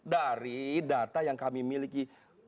dari data yang kami miliki